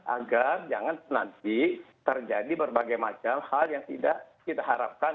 agar jangan nanti terjadi berbagai macam hal yang tidak kita harapkan